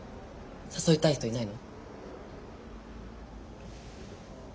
誘いたい人いないの？